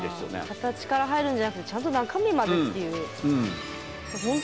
形から入るんじゃなくてちゃんと中身までっていう。ね。